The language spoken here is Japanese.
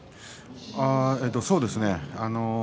そうですね。